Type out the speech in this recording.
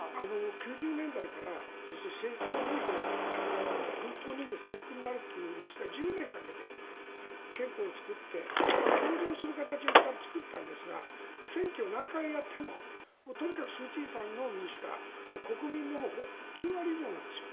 ９０年代から軍服を脱いで制服になるという民主化、１０年かけて憲法を作って、共存する形でいったん作ったんですが選挙を何回やってもとにかくスーチーの民主化国民の９割以上なんですよ。